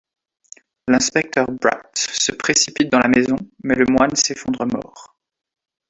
L'inspecteur Bratt se précipite dans la maison, mais le moine s'effondre mort.